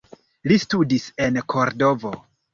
Li studis en Kordovo.